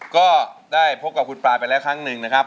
ก็ได้พบกับคุณปลาไปแล้วครั้งหนึ่งนะครับ